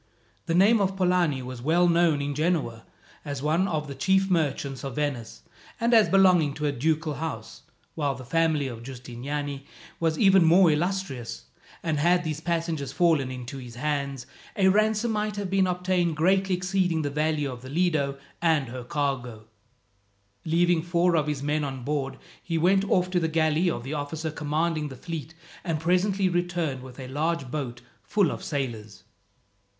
The name of Polani was well known in Genoa as one of the chief merchants of Venice and as belonging to a ducal house, while the family of Giustiniani was even more illustrious; and had these passengers fallen into his hands, a ransom might have been obtained greatly exceeding the value of the Lido and her cargo. Leaving four of his men on board he went off to the galley of the officer commanding the fleet, and presently returned with a large boat full of sailors.